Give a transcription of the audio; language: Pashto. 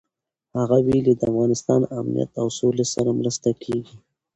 هغه ویلي، د افغانستان امنیت او سولې سره مرسته کېږي.